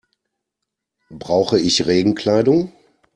Brauche ich Regenkleidung?